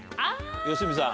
良純さん。